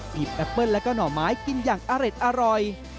แอปเปิ้ลแล้วก็หน่อไม้กินอย่างอร่อย